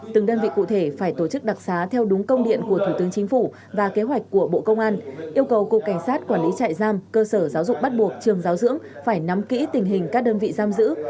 từng đơn vị cụ thể phải tổ chức đặc xá theo đúng công điện của thủ tướng chính phủ và kế hoạch của bộ công an yêu cầu cục cảnh sát quản lý trại giam cơ sở giáo dục bắt buộc trường giáo dưỡng phải nắm kỹ tình hình các đơn vị giam giữ